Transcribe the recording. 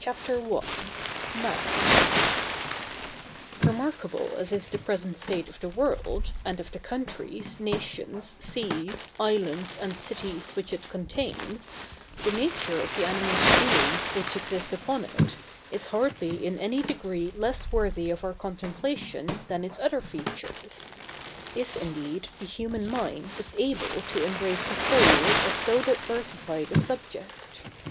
CHAPTER I. MAN. Remarkable as is the present state of the world, and of the countries, nations, seas, islands, and cities which it contains, the nature of the animated beings which exist upon it, is hardly in any degree less worthy of our contemplation than its other features; if, indeed, the human mind is able to embrace the whole of so diversified a subject.